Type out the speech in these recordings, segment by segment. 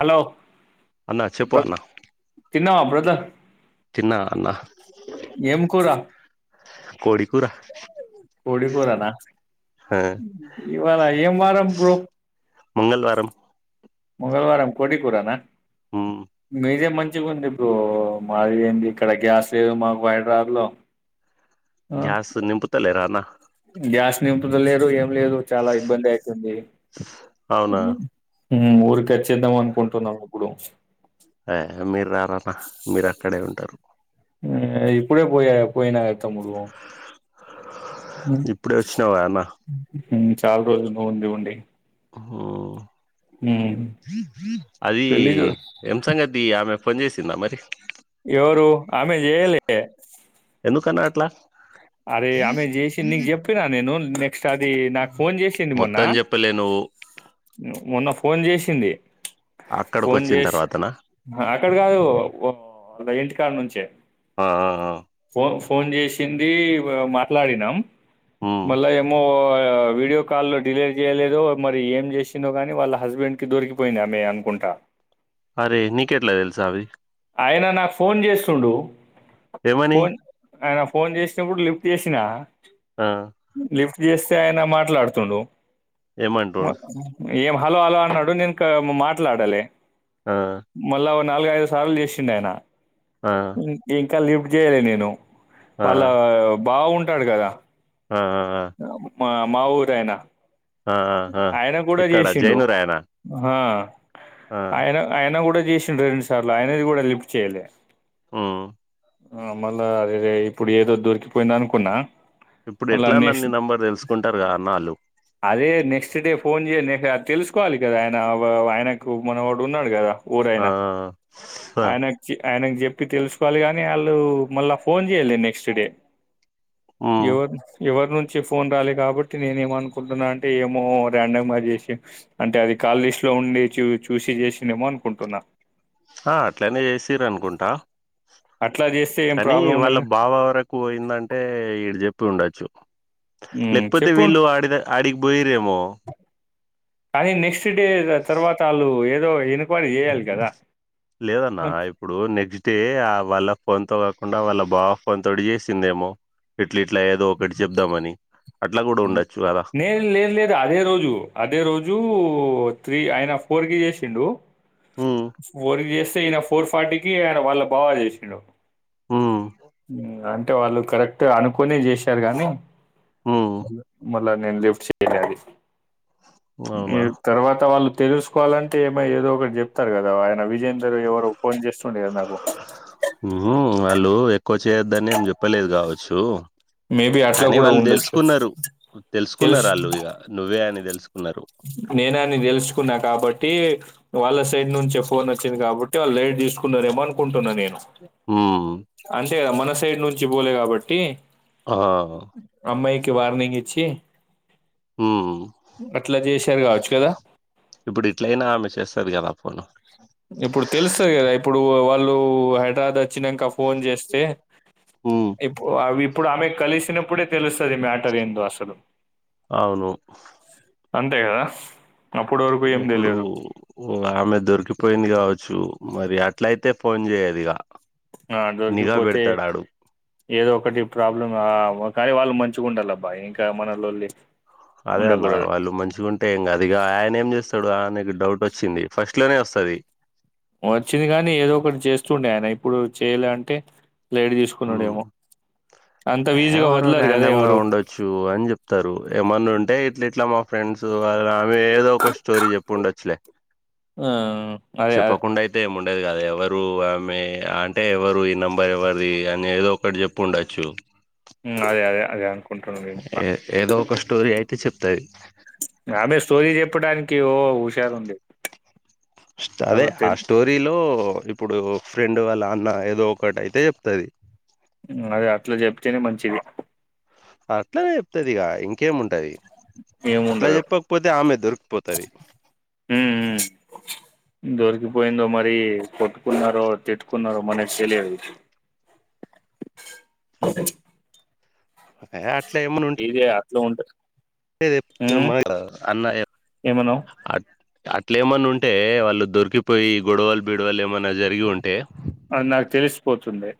Hello అన్న చెప్పు బ్ర అన్న తిన్నవా బ్రదర్? తిన్నా అన్న ఏం కూరా? కోడి కూర కోడికూరనా ఆ ఇవాళ ఏం వారం బ్రో? మంగళవారం మంగళవారం కోడి కూరనా మ్ మీదే మం చిగుంది బ్రో మాది ఏంది ఇక్కడ గ్యాస్ లేదు మాకు వైజాగ్లో. గ్యాసు నింపుతలే ర అన్నా? గ్యాస్ నింపుతలేరు ఏం లేదు చాలా ఇబ్బంది అయితుంది. అవునా ఊమ్ ఊరికోచ్చిదామనుకుంటున్నం ఇప్పుడు ఏ మీరు రారన్న మీరు అక్కడే ఉంటారు ఊ ఇప్పుడే పోయి పోయినా తమ్ముడూ ఇప్పుడే వచ్చినావా అన్న చాలా రోజుల్లో ఉండి ఉండి ఉమ్ అది పెళ్లి ఎం సంగతి ఆమె ఫోన్ చేసిందా మరి? ఎవరు ఆమె జెయలే ఎందుకన్నా అట్లా అరే అమె చేసింది నీకు చెప్పిన నేను నే స్ట్ అది నాకు ఫోన్ చేసింది మొన్న మొత్తం చెప్పలే నువ్వు మొన్న ఫోన్ చేసింది అక్కడకు వచ్చిన తర్వాతనా మేటర్ కాదు ఓ అ ఇంటికాడ నుంచే ఆ ఆ ఆ ఫోన్ ఫోన్ చేసింది వ మాట్లాడినాం మ్ మళ్ళ ఏమో ఆ వీడియో కాల్ల్లో డిలేట్ జేయలేదో మరి ఏం జెసిందో గానీ, వాళ్ళ హస్బెండ్ కి దొరికిపోయింది ఆమె అనుకుంట. ట అరే నీకెట్ల తెలుసు అవి ఆయన నాకు ఫోన్ చేస్తుండు ఏమని ఫోన్ ఆయన ఫోన్ చేసినపుడు లిఫ్ తీసిన ఆ జేస్తే ఆయన మాట్లాడుతుండు మ ఏమంట్రు ఏం హలో హలో అన్నడు నెన్ క అమ్ మ మాట్లాడలే ఆ మళ్ళా నాలుగైదు సార్లు జేశిండాయన ఆ ఇన్ ఇంకా లిఫ్ట్ జేయలే నేను ఆ వాళ్ళా బావవుంటాడుకదా అ అ అ మా మా ఊరయినా ఆ ఆ ఆయన గుడా ఇక్కడ జేశిండు జైనురాయనా హ ఆ ఆయన ఆయన గూడ జేశిండు రెండు సార్ల ఆయనది గూడ లిఫ్ట్ చేయ్యాలె హ్మ్మ్ అహ్ మళ్ళ అదే ఇప్పుడు ఏదో దొరికిపోయిందనుకున్నా ఇప్పుడు ఎట్లా నన్నీ నంబర్ తెలుసుకుంటరుగా అన్నా అళ్ళు అదే నెక్స్ట్ డే ఫోన్ చేయ నె హ తెలుసుకోవాలి గదా ఆయన వ వ ఆయనకు మనవడున్నడు గదా ఆ ఓరైనా ఆ ఆయన చి ఆయనక్ జే ప్పి తెలుసుకోవాలి గాని వాళ్ళు మళ్ళ ఫోన్ జేయలే నెక్స్ట్ డే ఉమ్, ఎవరు ఎవరి నుంచి ఫోన్ రాలే కాబట్టి నేనేమనుకుంటున్నా అన్ టే ఏమో ర్యాండమ్ గా చేసి అంటే అది కాలిస్ట్ లో ఉండి చూ చూసి చేశినేమో అనుకుంటున్నా హా అట్లనే చేశిరనుకుంటా అట్లా చేస్తే ఏం కానీ ప్రాబ్లం వాళ్ళ ఉండదుగా బావ వరకు పోయిందంటే ఈడు చెప్పి ఉండొచ్చు ఉమ్ లేకపోతే చెప్పు వీళ్ళు ఆడిద ఆడికి పోయ్యిరేమో కానీ నెక్స్ట్ డే తర్వాత వాళ్ళు ఏదో ఎన్క్వైరీ జేయాలి గదా లేదన్న ఇప్పుడు నెక్స్ట్ డే అహ్ వాళ్ళ పొంతొ కాకుండ వాళ్ళ బావ ఫోనెతోటి జేసిందేమో ఇట్లిట్ల ఏదో ఒకటి చెప్దామని అట్లా కూడా ఉండొచ్చు కదా లే లేదు లేదు అదే రోజు అదే రోజు ఉ త్రీ ఆయన ఫోర్ కి చేసిండు ఉమ్ ఫోర్ కి చేస్ ఈయన ఫోర్ ఫార్టీకిి ఆయన వాళ్ళ బావ కి చేశిండు ఉమ్ మ్ అంటే వాళ్ళు కరెక్ట్ గ అనుకొనే చేసారు గానీ ఉమ్ మళ మళ్ళ నేను లిఫ్ట్ చేయలే అది ఈ అవునా తర్వాత వాళ్ళు తెలుసుకోవాలంటే ఏమో ఏదో ఒకటి చెప్తారు గదా ఆయన విజేందరు ఎవరొ ఫోన్ చేస్తుండే గద నాకు ఉహు వాళ్ళు ఎక్కువ చేయొద్దని ఏం చెప్పలేదు గావొచ్చు మేబీ అట్లా కానీ కూడా వాళ్ళు ఉండొచ్చు తెలుసుకున్నరు తెలుసుకున్నరు ఆళ్ళు ఇగ నువ్వే అని తెలుస్ నేనని తెలుసుుకున్న కాబట్టి వాళ్ళ సైడ్ నుంచే ఫోన్ వచ్చింది కాబట్టి వాళ్ళు లేట్ తీసుకున్నరేమో అనుకుంటున్న నేను ఆహ్ తే గదా మన సైడ్ నుంచి పోలే కాబట్టి హ అమ్మాయికి వార్నింగ్ ఇచ్చి హ్మ్మ్ అట్లా చేశారు గావచ్చు కదా ఇప్పుడు ఇట్లయినా ఆమె చేస్తది గదా ఫోను లో హైద్రాద్ వచ్చినంక ఫోన్ చేస్తే హ్మ్. ఇప్ అవ్ ఇప్పుడు ఆమె కలిసినప్పుడే తెలుస్ తది మ్యాటర్ ఎందో అసలు అవును అంతేగదా ఇప్పుడు ఉ ఆమె దొరికిపోయింది కావచ్చు మరి అట్లై తే ఫోన్ చేయదిగా ఆహ్ నిఘా దొరికిపోతే పెడతాడాడు. ఏదో ఒక్కటి ప్రాబ్లం ఆహ్ కానీ వాళ్ళు మంచిగుండాలబ్బా ఇంకా మనలోల్లి అదే అన్న వాళ్ళు మంచిగుంటే ఏం కాది ఇగా అయిన ఏం చేస్తాడు ఆయనకు డౌట్ వచ్చింది ఫస్ట్ ఇట్లనే ఓస్తది వచ్చింది గానీ ఏదో ఒకటి చేస్తుండే అయినే ఇప్పుడు చేయలే అంటే లైట్ హ్మ్. తీసుకున్నాడేమో అంత ఏ ఈజీగా ఎవరో వదలరు కదా ర్యాండం గా ఎవరు ఉండొచ్చు అని చెప్తారు ఏమన్నా ఉంటే ఇట్లా ఇట్లా మా ఫ్రెండ్సు అద్ ఆమె ఏదో ఒక స్టోరీ చెప్పండొచ్చలే ఆ అదే అదే చెప్పకుండైతే ఏమున్ ఉండదు కద ఎవరు ఆమె అంటే ఎవరు ఈ నంబర్ ఎవ్వరిది అని ఏదో ఒకటి చెప్పుండొచ్చు ఉమ్ అదే అదే అదే అనుకుంటున్నా నేను కూడా ఏ ఏదో ఒక్క స్టోరీ అయితే చెప్తది ఆమె స్టోరీ చెప్పడానికి ఓ హుషారుంది అదె ఆ స్టోరీలో ఇప్పుడు ఫ్రెండు వాళ్ళ అన్న ఏదో ఒకటి అయితే జెప్తది అదే అట్ల చెప్తేనే మంచిది అట్లనె చెప్తది ఇగా ఇంకేముంటది ఏముండదు అట్లాఏప్పకపోతే ఆమె దొరికిపోతది ఉమ్, ఉమ్. దొరికిపోయిందో మరీ కొట్టుకున్నరో తిట్టుకున్నరో మనక్సెలియదు ఏ అట్లే ఇమ్మానుంటే ట్లో ఉంటే అదే ఉమ్ చెప్తున్న అన ఏమన్నావ్ అట్లే ఏమన్నుంటే వాళ్ళు దొరికిపోయి గొడవల్ బిడవల్ ఏమన్నా జరిగి ఉంటే అద్ నాక్ తెలిసిపోతుంది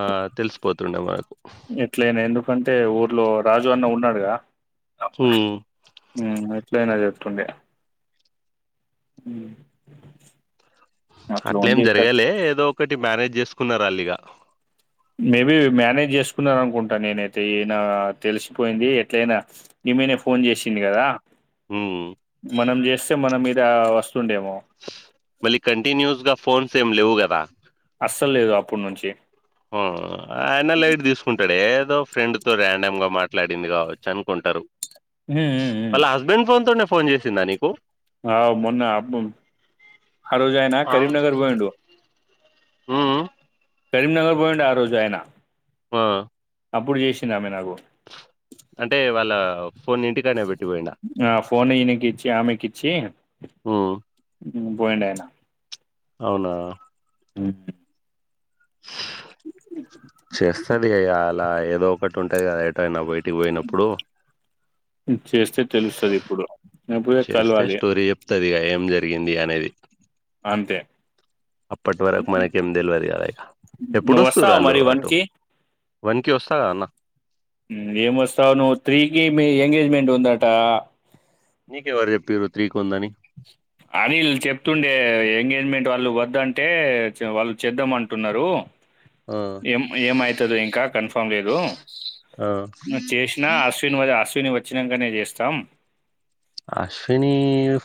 ఆ తెలిసిపోతుండే మనకు తే ఊర్లో రాజు అన్న ఉన్నాడుగద హు్ ఎట్లన చెప్తుండే ఉమ్ అట్లా అట్లేం ఉంది ఇక్కడ జరగాలె ఏదో ఒకటి మ్యానేజ్ చేసుకున్నారు అల్లిగా మేబీ మానేజ్ చేసుకున్నారనుకుంటా నేనైతే ఈనా తెలిసిపోయింది ఎట్లయినా ఇమెనె ఫోన్ చేసింది గదా ఉమ్. మనం జేస్తే మన మీదా ఓ మళ్ళి కంటిన్యూస్ గా ఫోన్స్ ఏంలేవు గదా అస్సల్లేదు అప్పుడ్నుంచి ఆ, ఆయన లైట్ తీసుకుంటాడు ఏదో ఫ్రెండ్ తో ర్యాండం గా మాట్లాడింది గావచ్చు అనుకుంటారు ఉమ్, ఉమ్, వాళ్ళ హస్బెండ్ ఫోన్ తోనే ఫోన్ చేసిందా నీకు ఆహ్ మొన్న అబ్ ఆరోజు అయినా కరీంనగర్ వోయిండు మ్ మ్ కరీంనగర్ పోయిండె ఆ రోజు ఆయనా? ఆ అపుడు జేసింది ఆమె నాకు అంటే వాలా ఆ ఫోన్ ఈయనికి ఇచ్చి ఆమెకిచి ఉమ్, పోయిండుఅయినా అవునా హ్మ్ [inaudible] చేస్తది ఇయాల ఏదో ఒకటి ఉంటది కదా ఎటుయినా బయటికి పోయినప్పుడు. చేస్తే తెలుస్తది ఇప్పుడు లేపోతే కలవాలి త్తదిగా ఏం జరిగింది అనేది అంతే అప్పటి వరకు మనకేం తెల్వదు గా ఇగ నువ్వు ఎపుడోస్తూరు వస్తావా అలు మరి వన్ అటు? కి వన్కి ఒస్తదా అన్న? హ్మ్ ఏమోస్తావ్ నువ్వు త్రీకి మీ ఎంగేజ్మెంట్ ఉందటా? నీకెవరు చెపిరు త్రికి ఉందని [inaudible] అనిల్ చెప్తుండే ఆ ఎంగేజ్మెంట్ వాళ్ళు వద్దంటే వాళ్ళు చేదాంటున్నారు ఆ ఏం ఏమయితదో ఇంకా కన్ఫర్మ్ లేదు. ఆ! నువ్వు చేశినా అశ్విని వ అశ్విని వచ్చినకనే చేస్తాం. అశ్వినీ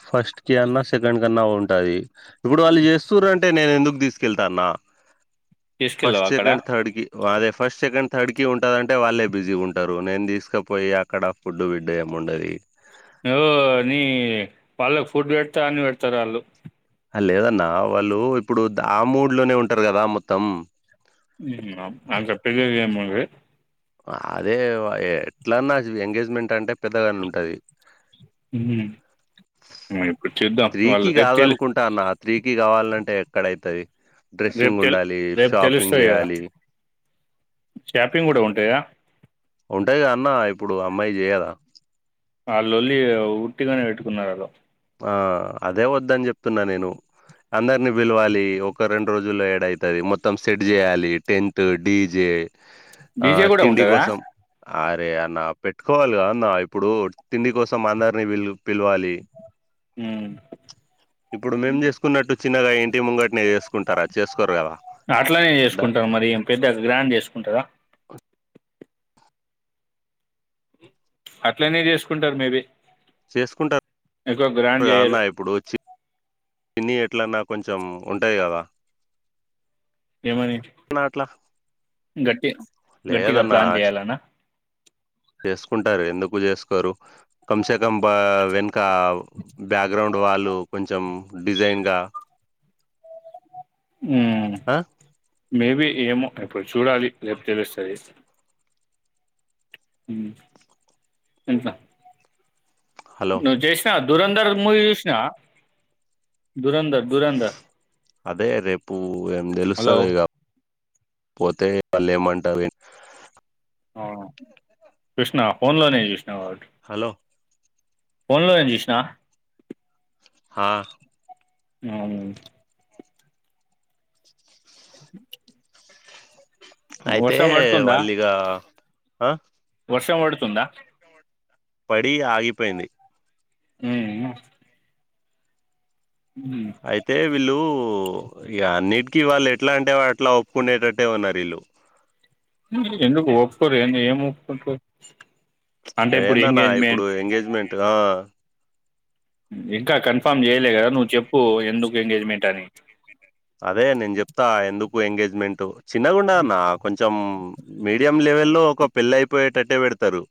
ఫస్ట్ కి అన్నా, సెకండ్ కి అన్నా ఉంటది. ఇప్పుడు వాళ్ళు చేస్తుర్ అంటే నేను ఎందుకు తీసుకెళ్తాన్నా తీసుకెళ్ళావు ఫస్ట్గి అక్కడ సెకండ్ థర్డ్ కి అదే ఫస్టకి, సెకండ్ థర్డ్ కి ఉంటదంటే వాళ్ళే బిజీగా ఉంటారు. నేను తీసుకపోయి అక్కడ ఫుడ్ గిడు ఏం ఉండది. హో నీ వాళ్ళకి ఫుడ్ పెడతా అని పెడతారు అలు లేదన్న వాళ్ళు ఇప్పుడు దా ఆ మూడ్లోనే ఉంటారు కదా మొత్తం. [unintelligible] అదే వ ఎట్లాన్నా ఎంగేజ్మెంట్ అంటే పెద్దగానే ఉంటది. ఉమ్, ఇప్పుడు చూద్దాం వాళ్ళు త్రికి రేపు తెలి కాదనుకుంటా నా త్రీకి ఇ కావాలంటే ఎక్కడైయితది రేపు డ్రెస్సింగ్ తెలి ఉండాలి, షాపింగ్ చేయాలి. చప్పింగ్ కూడా ఉంటాయా? ఉంటాయి గా అన్న ఇప్పుడు అమ్మాయి చేయదా ఆ లోల్లి హ ఉట్టిగానే పెట్టుకున్నారు ఆల్లు ఆ అదే వద్దని చెప్తున్నా నేను అందరిని పిలవాలి ఒక రెండు రోజుల్లో ఏడఐతది మొత్తం సెట్ చేయాలి. టెంటు డీజే ఆ డీజే కూడా తిండి ఉంటదా కోసం అ అరే అన్న పెట్టుకోవాలి కద అన్న ఇప్పుడు తిండి కోసం అందరినీ పిల్ పిలవాలి. మ్మ్ ఇప్పుడు మేం చేసుకున్నట్టు చిన్నగా ఇంటి ముంగట్ అట్లనే ద చేసుకుంటాం మరి ఏం పెద్ద గ్రాండ్ చేసుకుంటారా? అట్లనే చేసుకుంటారు మే బి చేసుకుంటారు గా చేయరు అన్నా ఇప్పుడు చ్చి పిన్ని ఎట్లన కొంచెం ఉంటాయి కదా. ఏమని అన్న, అట్లా గట్టి గట్టిగా లేదన్నా ప్లాన్ చేయాలన చేసుకుంటారు ఎందుకు చేసుకోరు కంస్ కం బా వెనుక బ్యాక్గ్రౌండ్ వాళ్లు కొంచెం డిజైన్ గా హ్మ్ ఆ మేబి ఏమో ఇప్పుడు చూడాలి రేపు తెలుస్తది. ఇంత హలో నువ్ జెష్ణ దూరంధర్ మూవీ చుసిన దూరంధర్ దూరంధర్ అదే రేపు ఏం తెలుస్తది ఇగ పోతే వాల్ ఏం అంటారు ఏమో చూష్ణ ఫోన్ లోనే చూష్ణ హలో ఫోన్ లో ఏం చేసిన ఆ మ్యావు అయితే వర్షం పడుతుందా వాళ్ళి ఇగా అ వర్షం వడుతుందా పడి ఆగిపోయింది హ్మ్మ్ అయితే వీళ్ళు ఇగ అన్నిటికి వాళ్ళేట్లంటే అట్ల ఒప్పుకునేటట్టే ఉన్నారు ఈళ్ళు ఎందుకు ఒప్పుకోరు ఏంది ఏం ఒప్పుకుంటర్ ఏందన్నా ఇప్పుడు ఎంగేజ్మెంట్ ఆ ఇంక కన్ఫర్మ్ చేయలే కదా నువ్వు చెప్పు ఎందుకు ఎంగేజ్మెంట్ అని అదే నేను చెప్తా ఎందుకు ఎంగేజ్మెంట్ చిన్న గుండా అన్న కొం కొంచెం మీడియం లెవల్లో ఒక పెళ్లి అయిపోయేటట్టే పెడతారు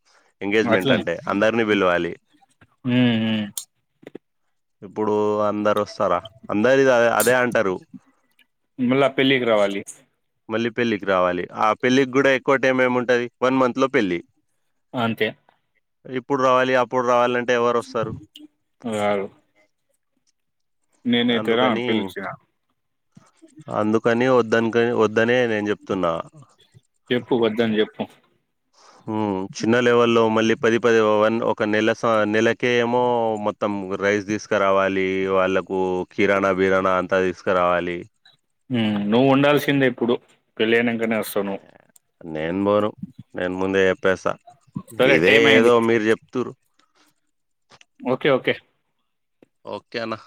ఎంగేజ్మెంట్ అట్లనే అంటే అందరు ని పిలవాలి ఉమ్, ఉమ్. ఇప్పుడు అందరు వస్తారా అందరిది అ అదే అంటారు మళ్ళా పెళ్ళికి రావాలి మళ్ళీ పెళ్ళికి రావాలి ఆ పెళ్ళికి గూడ ఎక్కువ టైం ఏము ఉంటది వన్ మంత్ లో పెళ్ళి అంతే ఇప్పుడు రావాలి అప్పుడు రావలం వ్యావ్ నేనైతే రాను అందుకని పీల్చిన అందుకని వద్దంటే వద్దనే నేను చెప్తున్న చెప్పు వద్దని చెప్పు ఉమ్ చిన్న లెవెల్లో మళ్ళీ పది పది వన్ ఒక నెల స నెలకేమో మొత్తం రైస్ తీసుకరావాలి వాళ్ళకు కిరాణ బిరాణ అంత తీసుకరావాలి మ్ నువ్వు ఉండాల్సిందే ఇప్పుడు పెళ్ళైనం ఆ నేను బోను నేను ముందే చెప్పేస్త సరే ఇదే టైం ఏదో అయింది మీరు జెప్తురు ఓకే ఓకే ఓకే అన్న